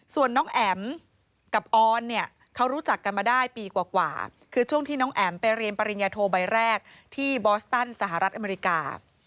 ส่วนน้องแอ๋มกับออนเนี่ยเขารู้จักกันมาได้ปีกว่าคือช่วงที่น้องแอ๋มไปเรียนปริญญาโทใบแรกที่บอสตันสหรัฐอเมริกา